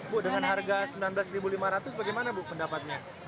bu dengan harga rp sembilan belas lima ratus bagaimana bu pendapatnya